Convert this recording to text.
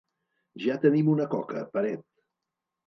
Ja tenim una coca, Peret.